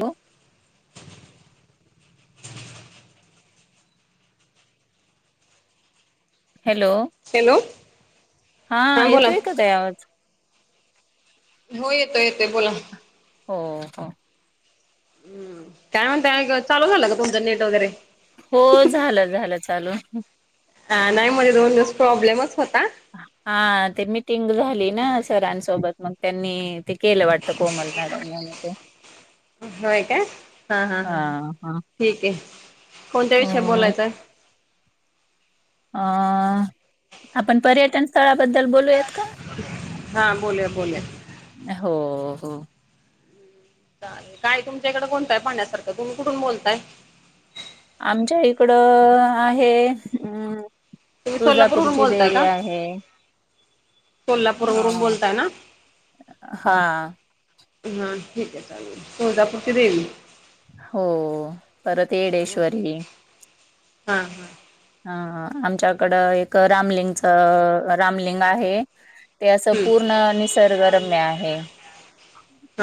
Hello hello hello हा येतोय काय आवाज? हो येतोय, येतोय बोला. हो, हो. काय म्हणताय मग चालू झालं का तुचं नेट वगैरे? हो, झालं झालं चालू. अ नाही माझं दोन दिवस प्रॉब्लेमच होता हा ते मिटिंग झाली ना सरांसोबत मग त्यांनी ते केलं वाट ते कोमल मॅडम [unintelligible] होय का हा हा हा हा ठीक आहे कोणत्या विषयी अ बोलायचं? अ आपण पर्यटन स्थळाबद्दल बोलूयात का? हा बोल्या बोल्या. हो हो. चालेल काय तुमच्याकडे कोणता आहे पाहण्यासारखं तुम्ही कुठून बोलताय? आमच्या इकडं आहे अम्म तुम्ही सोलापूरवरून तुळजापूरची बोलताय देवी का आहे. सोलापूरवरून आं बोलताय ना हा. हा ठीक आहे चालेल तुळजापूरची देवी हो परतेडेश्वरी हा हा. अ आमच्याकडं एक रामलिंगच रामलिंग आहे. ते असं हम्म पूर्ण निसर्गरम्य आहे.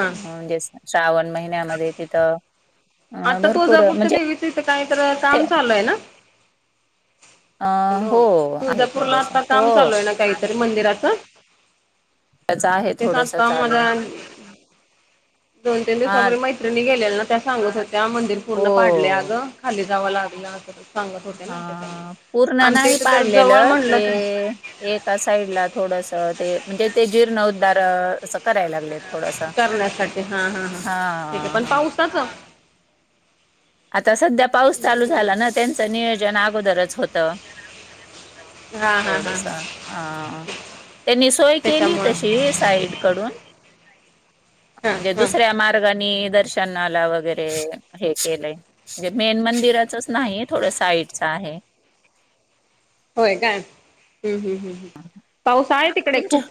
हा श्रावण महिन्यामध्ये तिथं अ भरपूर म्हणजे तिथं काहीतर काम चालू आहे ना. अ हॅलो हो आहे तुळजापूरला थोडस आता हो काम चालू आहे ना काहीतरी मंदिराचा? त्याच हा आहे तेच थोडस आत्ता चालू माझा दोन तीन हा दिवसापूर्वी मैत्रिणी गेलेल्या ना त्या सांगत होत्या मंदिर हो पूर्ण पाडल्या अगं. खाली जावं लागलं सांगत होते हा ना त्याच्यामुळे पूर्ण आमच्या नाही इथे तर जवळ पाडलेलं म्हणलं ते तर एका साईड ला थोडसा ते म्हणजे ते जीर्ण उद्धार असं करायला कले थोडासा करण्यासाठी हा हा ठीक आहे पण हा. पावसाच आता सध्या पाऊस चालू झाला ना त्यांचं नियोजन अगोदरच होतं. हा हा हा हा थोडसा हा त्यांनी सोय केली त्याच्यामुळं तशी साईड कडून हा म्हणजे हा दुसऱ्या मार्गाने दर्शनाला वगैरे हे केलंय. जे मेन मंदिराचाच नाही थोडं साईडचं आहे. होय काय हम्म हम्म हम्म पाऊस आहे तिकडे तुमच्या खूप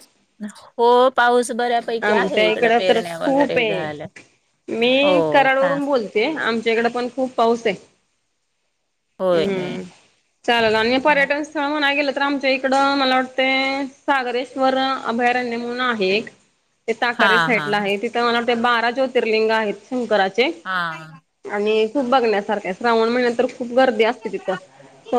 हो पाऊस बऱ्या आमच्या इकडं तर खूप झाल्या आहे मी हो का कराडवरून बोल ते आमच्या इकडे पण खूप पाऊस आहे. होय होय हम्म चालेल पर्यटनस स्थळ म्हणाय गेलं तर आमच्या इकडं मला वाटतं सागरेश्वर, अभयारण्य म्हणून आहे एक ते हा ताकारे हा साईड ला हा आहे तिथं मला वाटते बारा ज्योतिर्लिंग आहेत शंकराचे. हा. आणि खूप बघण्यासारखं श्रावण महिन्यात तर खूप गर्दी असते तिथं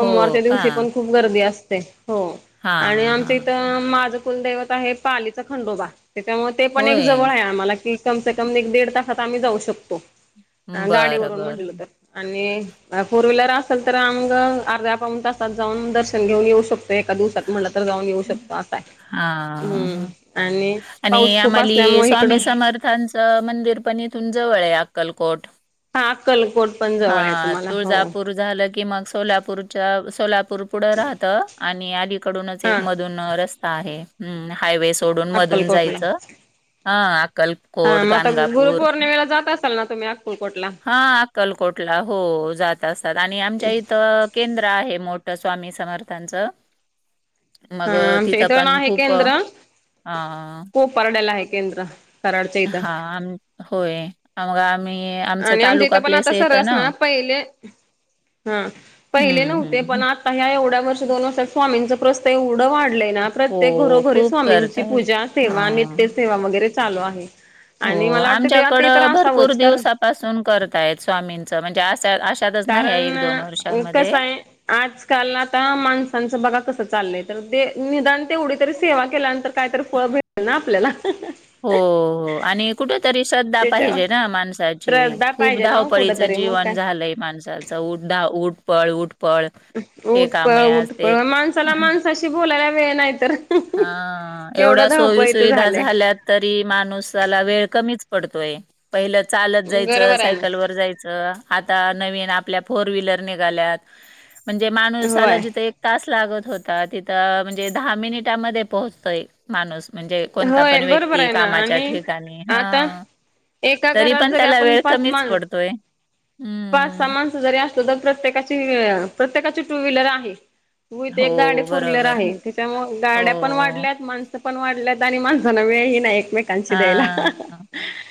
हो का दिवशी पण खूप गर्दी असते हो हा आणि हा आमचं इथं माझं कुलदैवत आहे पालीचा खंडोबा त्याच्यामुळे ते पण एक होय जवळ आहे आम्हाला कि कम से कम एक देड तासात आम्ही जाऊ शकतो बरं गाडीवरून बरं म्हटलं तर आणि फोर व्हीलर असेल तर आम्ही गं अर्ध्या पाऊन तासात जाऊन दर्शन घेऊन येऊ शक तो एका दिवसात म्हटलं तर जाऊन येऊ शकतो असा आहे हा हम्म आणि आणि पाऊस खूप आम्हाली असल्यामुळे इकडं स्वामी समर्थांचं मंदिर पण इथून जवळ आहे अक्कलकोट. हा अक्कलकोट पण जवळ आहे हा तुम्हाला हो. तुळजापूर झालं की मग सोपूरच्या सोलापूर पुढे राहतं आणि अलीकडूनच एक हा मद दोनं रस्ता आहे हम्म हायवेस सोडून मधून अक्कलकोटला जायचं हा अक्कलकोट, गाणगापूर चलणार तुम्या हा अक्कलकोटला हो जात असतात आणि आमच्या इथं केंद्र आहे मोठा स्वामी समर्थांचं हा मगं आमच्या तिथं इथं ना पण आहे खूप अ परडेला हाय केंद्र कराडच्या इथं हा आम् होय अमगा आम्ही आमचा आणि आमच्या इथं तालुका पण प्लेस आता सर येतं ना असणार पहिले हा पहिले हं, हं, नव्हते पण हं. आता ह्या एवढ्या वर्ष दोन वर्षात स्वामींच प्रस्त एवढं वाढ पलेना प्रत्येक हो, घरोघरी खूप स्वामींची करतायत. पूजा सेवा हां. नित्यसेेवा वगैरे चालू आहे. हो आणि मला वाटतं ते ते तर आमच्याकडं भरपूर असावंच कारण दिवसापासून करताय स्वामींचं म्हणजे असं अशे कारण उकसाय आजकाल आता माणसांचं बघा कसं चाललंय तर दे निदान तेवढी तरी सेवा केल्यांतर काहीतरी फळ भेटल ना आपल्याला. हो हो आणि कुठं तरी श्रद्धा त्याच्यावर पाहिजे ना माणसाची श्रद्धा खूप पाहिजे ना कुठ धावपळीच तरी मग जीवन काय झालंय माणसा चौड्डा उठ पळ उठ पळ उठ पळ उठ पळ माणसाला माणसाशी बोलायला वेळ नाही तर हा एवढं एवढ्या सोयी धावपळीच सुुविधा झालंय. झाल्यात तरी माणूसाला वेळ कमीच पडतोय. पहिलं चालत जायचं बरोबर आहे ना. सायकलवर जायचं. आता नवीन आपल्या फोरव्हीलर निघाल्यात म्हणजे माणूसाला होय जिथे तास लागत होता तिथं म्हणजे दहा मिनिटामध्ये पोहोचतोय माणूस. म्हणजे कोणता होय पण बरोबर व्यक्ती आहे ना कामाच्या आणि ठिकाणी आता हा. एका तरी घरात पण जरी त्याला आपण वेळ पाच कमीच माण पडतोय. पाच सहा हम्म माणसं जरी असतो तर प्रत्येकाची प्रत्येकाची टूव्हीलर आहे. उय इथं हो एक गाडी फोरव्हीलर बरोबर आहे त्याच्यामुळे गाड्या पण हो वाढल्यात माणसं पण वाढल्यात. त्यांनी माणसानं वेळी ही नाय एकमेक हा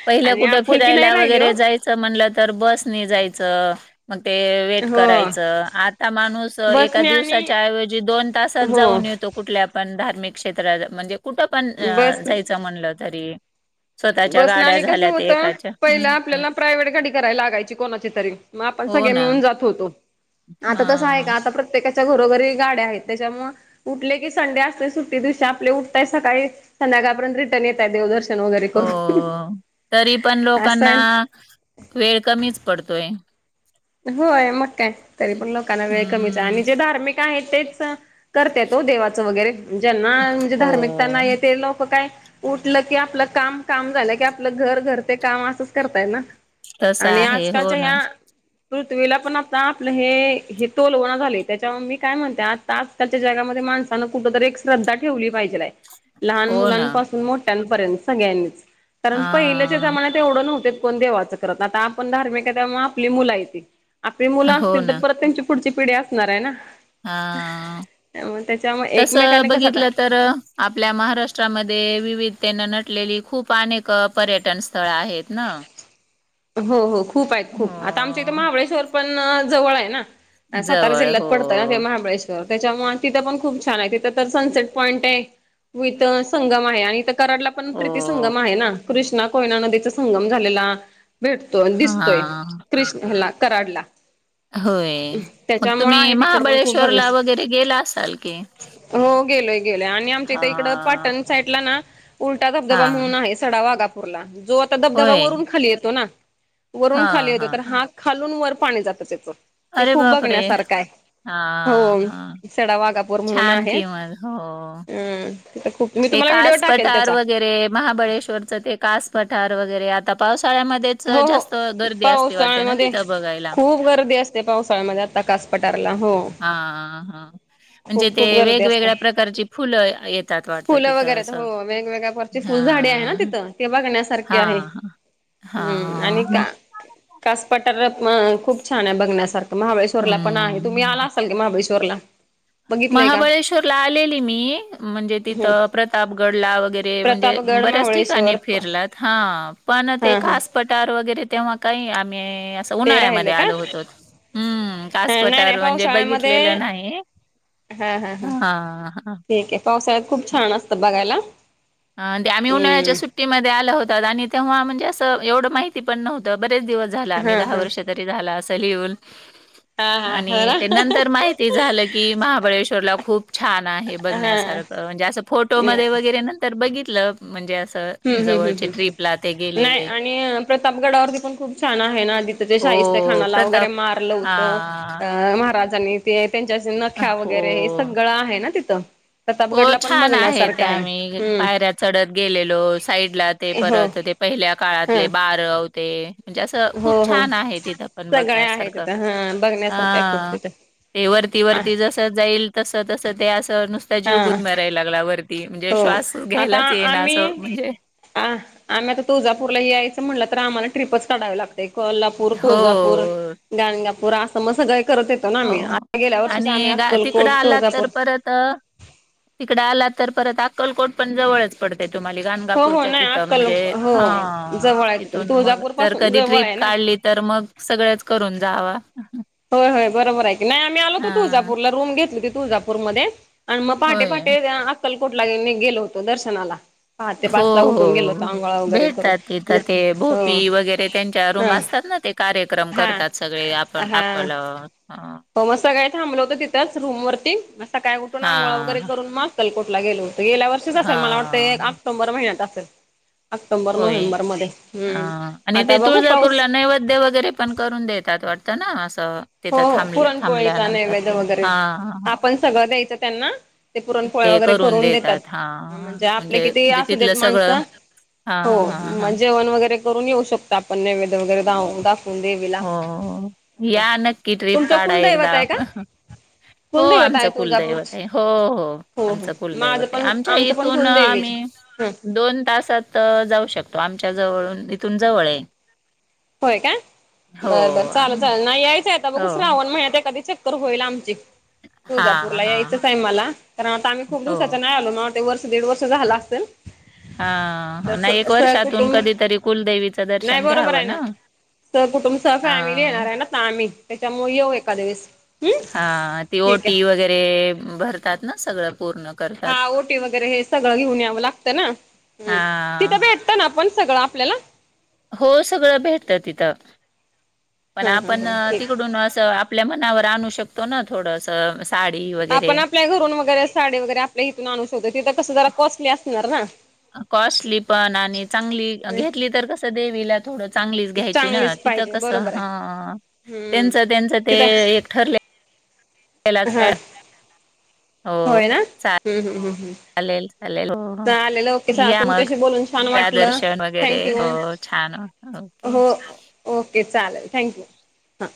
पहिलं कुठं आपुलकी नाही फिरायला राहिली वगैरे हो जाय चल म्हणलं तर बसनी जायचं मग ते वेट हो करायच आता माणूस एका बसने आणि दिवसाच्या ऐवजी दोन तासात हो जाऊन येतो. कुठल्या पण धार्मिक क्षेत्रात म्हणजे कुठं पण अ बस जायचं म्हणलं तरी स्वतःच्या बसना गाड्या आणि कसं झाल्या ते होतं एकाच्या पहिला हम्म आपल्याला प्रायव्हेट गाडी कराय लागायची कोणाची तरी मग आपण हो सगळे ना मिळून जात होतो. आता तसं आहे हा. का आता प्रत्येकाच्या घरोघरी गाड्या आहेत त्याच्यामुळे उठले की संडे असते सुट्टी दिवशी आपले उठतय सकाळी संध्याकाळपर्यंत रिटर्न येतय देवदर्शन वगैरे हो करून तरी पण असं लोकांना आहे वेळ कमीच पडतोय. होय मग काय तरी पण लोकांना वेळ कमीच आहे हम्म आणि जे धार्मिक काय हे तेच करते तो देवाचं वगैरे ज्यांना म्हणजे हो धार्मिकताना येते लोकं काय उठलं की आपलं काम काम झालं कि आपलं घर घर ते काम असंच करताय ना. तस आणि आहे हो आजकालच्या ना ह्या पृथ्वीला पण आता आपलं हे हे तोलवणा झाले त्याच्यावर मी काय म्हणत्यात त आजकालच्या जगामध्ये माणसानं कुठतरी एक श्रद्धा ठेवली पाहिजेल आहे. लहान हो ना. मुलांपासून मोठ्यांपर्यंत सगळ्यांनीच कारण पहिलं च्या हा जमानत ते एवढं नव्हते कोण देवाचं करत आता आपण धार्मिक आहे त्यामुळे आपली मुला येते आपली मुलं हो असतील तर ना परत त्यांची पुढची पिढी असणार आहे ना. हा त्यामुळे त्याच्यामुळे तसं एकमेकाने कसं आता बघितलं तर आपल्या महाराष्ट्रामध्ये विविधतेने नटलेली खूप अनेक पर्यटन स्थळं आहेत ना. हो हो खूप आहेत खूप आता आमच्या इथे हो. महाबळेश्वर पण जवळ आहे ना. आ सातार जवळ जिल्ह्यात हो. पडतय ते महाबळेश तर त्याच्यामुळे तिथं पण खूप छान आहे तिथं तर सनसेट पॉईंट आहे विथ संगम आहे आणि इथं कराडला पण हो. प्रीती संंगम आहे ना कृष्णा, कोयना नदीचा संगम झालेला. भेटतोय दिसतोय हां. कृष्ण हला कराडला. होय मग त्याच्यामुळे तुम्ही आहे तिकड पण खूप महाबळेश्वरला बघण्यासाठी वगैरे गेला असाल की? हो गेलोय-गेलोय आणि आमच्या इथे इकडं हां. पाटण साईडला ना उलटा धबधबा हां. म्हणून आहे सडावागापूरला जो आता धबधबा होय. वरून खाली येतो ना. वरून खाली हां, होते हां. तर हा खालून वर पाणी जातं त्याचं. ते अरे खूप बापरे! बघण्यासारखं आहे हां, हां. हो सडावागा पूर म्हणून छान आहे, की मग. हो. अं तिथं खूप मी ते तुम्हाला व्हिडिओ टाकेल कासपटार त्याचा वगैरे महाबळेश्वरचं ते कास पठार वगैरे आता पावसाळ्यामध्ये हो हो पावसाळ्यामध्ये बघायला. खूप गर्दी असते पावसाळ्यामध्ये आता कासपटारला हो. हा हा म्हणजे खूप ते खूप गर्दी असते वेगवेगळ्या प्रकारची फुलं येतात वाट फुलं वगैरे हो वेगवेगळ्या परची फुल झाडे आहेत ना हा तिथं ते बघण्यास हा सारक्या हे हम्म आणि हा. का कास पटार खूप छान आहे बघण्यासारखं. महाबळेश्वरला पण आहे, तुम्ही हम्म. आला असाल की महाबळेश्वरला? बघितलंय का महाबळेश्वरला आलेली मी म्हणजे हम्म तिथं प्रतापगडला वगैरे म्हणजे प्रतापगड बर्याच ठिकाणी महाबळेश्वर फिरलात हा पण ते हा हा कास पटार वगैरे तेव्हा काही आम्ही असं ते राहिलं उन्हाळ्यामध्ये का आलो होतो हम्म नाही नाही कासपटार म्हणजे पावसाळ्यामध्ये बघितलेलं नाही. हा हा हा. आ हा. ठीक आहे, पावसाळ्यात खूप छान असतं बघायला. आन ते आम्ही उन्हाळच्या हम्म सुट् टी मध्ये आलं होतात आणि तेव्हा म्हणजे असं एवढं माहिती पण नव्हतं बरेच दिवस झाला आम्ही हा दहा हा वर्षात तरी झाला असं येऊन हा हा ह आणि ते ना नंतर माहिती झालं की महाबळेश्वरला खूप छान आहे हा बघण्यासार म्हणजे असं फोटोमध्ये वगैरे नंतर बघितलं म्हणजे असं हम्म हम्म हम्म हम्म जवळचे हम्म, ट्रिपला ते नाही गेलेले. आणि प्रतापगडावरती पण खूप छान आहे ना तिथं ते शाहिस्ते हो, खानाला वगैरे प्रताप मारलं होतं हां. अ महाराजांनी ते त्यांच्या असे नख्या वगैरे हे हो. सगळं आहे ना तिथं. हो प्रतापगडला पण छान आहे बघण्यासारखं त्या आम्ही हम्म पायऱ्यात चढत गेलेलो साईडला ते हो परत ते पहिल्या ह काळातले बारवते म्हणजे असं हो खूप हो. छान आहे तिथं पण सगळे आहे बघण्यासारखं तिथं हा बघण्यासारखं आहे खूप आं. तिथं ते वरती-वरती जसं जाईल तसं तसं ते असं नुसता जीवगुत हा. मारयला लागला वर ती म्हणजे हो श्वास घ्यायलाच ये ना असं म्हणजे हां, आम्ही आता तुजापूरला यायचं म्हणलं, तर आम्हाला ट्रिपच काढावी लागते. कोल्हा पूर हो तुळजापूर, गणगापूर असं म सगळे करते हो आणि गा तिकडं आला तर तुळजापूर परत तिकडे आला तर परत अक्कलकोट पण जवळच पडते तुम्हाली हो हो गाणगापूरच्या नाही तिथं अक्कल म्हणजे हो हा जवळ आहे तिथून इथून मग तुळजापूर तर पासून कधी जवळ ट्रिप आहे ना काढली तर मग सगळच करून जावा. होय-होय बरोबर आहे की नाही आम्ही आलो होतो हा तुळजापूरला रूम घेतली होती तुळजापूरमध्ये. आणि मग पहाटे होय पहाटे त्या अक्कलकोटला नी गेलो होतो दर्शनाला. पहाटे हो पाच ला हो उठून गेलो होतो आंघोळा वगैरे भेटातात करून तिथं ते भोपी हो वगैरे त्यांच्या रूम हा असतात ना ते कार्यक्रम हा करतात सगळे आपण हा आपलं हा. हो मग सकाळी थांबलं होतं तिथंच रूम वरती म सकाळी उठून आंगोळा वगैरे करून मग अक्कलकोटला गेलो होते गेल्या वर्षीच असेल हा मला वाटतं ऑक्टोंबर महिन्यात असेल. ऑक्टोबर होय नोव्हेंबर मध्ये हम्म आणि आता ते बघू पाऊस तुळजापूरला नैवेद्य वगैरे पण करून देतात वाटतं ना असं तिथं हो हो थांब पुरणपोळीचा थांबल्यानंतर नैवेद्य ते वगैरे हा हा. आपण सगळं द्यायचं त्यांना ते पुरणपोळया वगैरे करून देतात म्हणजे आपले किती असू देत माणसं हो हां, हां, म हां. जेवण वगैरे करून येऊ शकता आपण नैदव्य वगैरे दाव दाखवून दे हो या नक्की ट्ररीप तुमचं काढा एकदा. कुलदैवत आहे का हो कुलदैवत आहे आमचं कुलदैवत तुळजापूरची आहे हो हो हो आमचं माझं कुलदैवत आहे पण आमच्या आमचं पण इथून कुलदैवीच आम्ही ह दोन तासात जाऊ शकतो. आमच्या जवळून इथून जवळ आहे. होय का हो बर बर चालल आम्ही चाल नाही यायचं आता बघू हो. श्रावण महिन्यात एखादी छूट तर होईल आमची हां, तुळजापूरला हां. यायचच आहे मला कारण आता आम्ही खूप हो. दिवसाच नाही आलो ना ते वर दीड वर्ष झाला असेल तर हा ना एक वर्षातून सहकुटुंब कधीतरी कुलदेवीचं दर्शन घ्यावं ना. तर कुटुंबचा फॅमिली येणार हां. आहे ना तर आम्ही त्याच्यामुळे येऊ एका दिवस. हा ती ओटी वगैरे भरतात ना सगळं पूर्ण करतात. हा ओटी वगैरे हे सगळं घेऊन यावं लागतं ना हम्म तिथं हा भेट तन आपण सगळं आपल्याला हो सगळं भेटत तिथं, पण हं हं आपण हं ठीक. तिकडून असं आप पल्या मनावर आणू शकतो ना थोडसं असं साडी व आपण आपल्या घरून वगैरे साडी वगैरे आपल्या इथून आणू शोधू तिथं कसं जरा कॉस्टली असणार ना. कॉस्टली पण आणि चांगली घेतली तर कसं देवीला थोड चांगलीच घ्यायची ना चांगलीच तिथं पाहिजे कसं बरोबर आहे हा हम्म. त्यांचा त्यांचा ते एक तिथं ठरले पेलाज हा पेड होय ना? हम्म, हम्म, हम्म, हम्म. चालेल चालेल हो हो चालेल ओके चा या मग तुमच्याशी बोलून छान वाटलं प्रादर्शन वगैरे थँक्यू. हो छान ओके. हो ओके चालेल थँक्यू. हां.